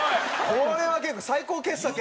これは結構最高傑作やったね。